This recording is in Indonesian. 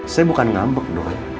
saya bukan ngambek doan